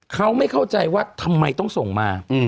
เขาไม่เข้าใจว่าทำไมต้องส่งมา